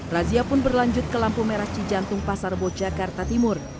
razia pun berlanjut ke lampu merah cijantung pasar bojakarta timur